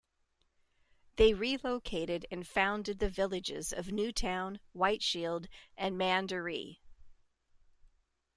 They relocated and founded the villages of New Town, White Shield, and Mandaree.